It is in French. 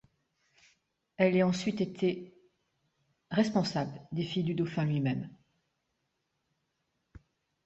Elle est ensuite été responsable des filles du dauphin lui-même.